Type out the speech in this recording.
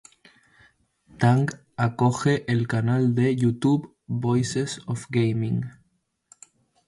Tang acoge el canal de YouTube "Voices of Gaming".